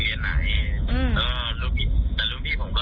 โอเคค่ะก็คุ่วหนูอยู่นะ